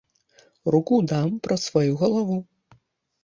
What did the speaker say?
Руку дам праз сваю галаву.